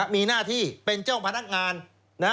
มีหน้าที่เป็นเจ้าพนักงาน